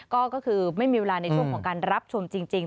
ก็คือไม่มีเวลาในช่วงของการรับชมจริง